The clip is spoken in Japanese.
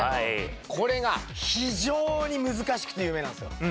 これが非常に難しくて有名なんですよ。